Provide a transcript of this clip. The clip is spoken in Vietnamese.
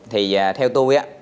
thì theo tôi